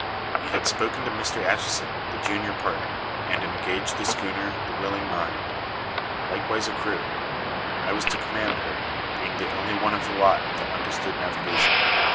He had spoken to Mr. Atchison, the junior partner, and engaged a schooner, the Willing Mind; likewise a crew. I was to command her, being the only one of the lot that understood navigation.